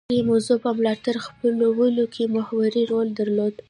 دغې موضوع په ملاتړ خپلولو کې محوري رول درلود